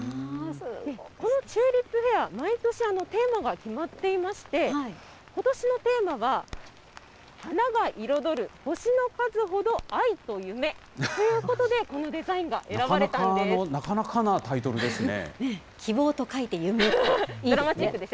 このチューリップフェア、毎年、テーマが決まっていまして、ことしのテーマは、花が彩る星の数ほど愛と希望ということで、このデザインが選ばれなかなかなタイトルですね。